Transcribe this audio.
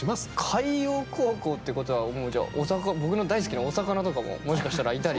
海洋高校ってことはもうじゃあ僕の大好きなお魚とかももしかしたらいたり。